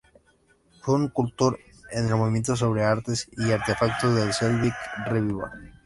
Fue un cultor en el movimiento sobre Artes y Artefactos del "Celtic Revival".